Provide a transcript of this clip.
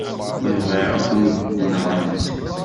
Ma bɣiɣ, ad k-nɣent.